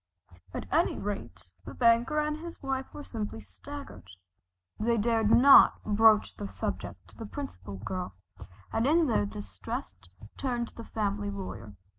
At any rate the banker and his wife were simply staggered. They dared not broach the subject to the Principal Girl, and in their distress turned to the family lawyer.